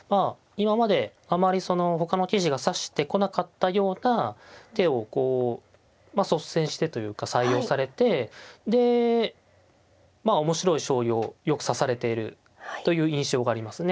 今まであまり他の棋士が指してこなかったような手を率先してというか採用されてでまあ面白い将棋をよく指されているという印象がありますね。